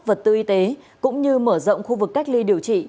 vật tư y tế cũng như mở rộng khu vực cách ly điều trị